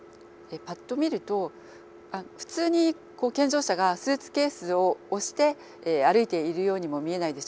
パッと見ると普通に健常者がスーツケースを押して歩いているようにも見えないでしょうか？